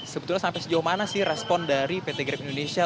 sebetulnya sampai sejauh mana sih respon dari pt grab indonesia